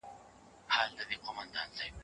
ولي ځيني هیوادونه ګمرک نه مني؟